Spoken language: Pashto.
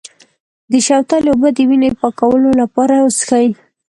د شوتلې اوبه د وینې پاکولو لپاره وڅښئ